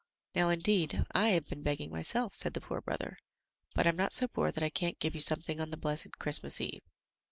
"Now, indeed, I have been begging myself," said the poor brother, "but I'm not so poor that I can't give you something on the blessed Christmas eve."